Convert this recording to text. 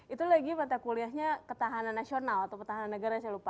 itu lagi mata kuliahnya ketahanan nasional atau ketahanan negara saya lupa